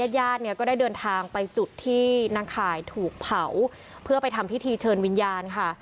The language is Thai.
ญาติเนี่ยก็ได้เดินทางไปจุดที่นางข่ายถูกเผาเพื่อไปทำพิธีเชิญวิญญาณค่ะ